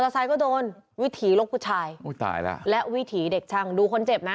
ไซค์ก็โดนวิถีลกผู้ชายอุ้ยตายแล้วและวิถีเด็กช่างดูคนเจ็บนะ